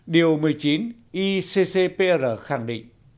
điều một mươi chín iccpr khẳng định